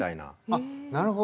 あっなるほど。